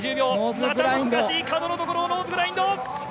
また難しい角ところ、ノーズグラインド。